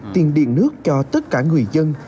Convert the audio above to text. tiền điện nước cho tất cả người dân